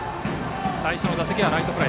最初の打席はライトフライ。